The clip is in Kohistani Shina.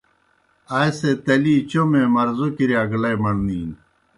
آئے سے تلی چومے مرضو کِرِیا گہ لئی مڑنیْ نیْ۔